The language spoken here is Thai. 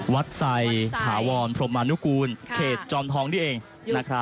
วัดไสร์ถาวรพรมนุกูลเขตจอมท้องนี่เองนะครับ